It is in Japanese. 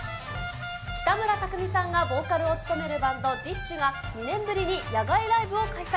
北村匠海さんがボーカルを務めるバンド、ＤＩＳＨ／／が２年ぶりに野外ライブを開催。